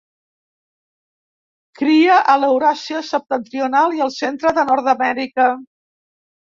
Cria a l'Euràsia septentrional i al centre de Nord-amèrica.